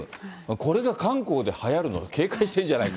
これが韓国ではやるのを警戒してるんじゃないか。